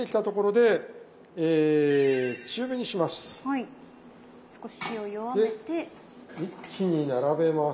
で一気に並べます。